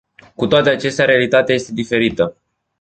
Cu toate acestea, realitatea este diferită.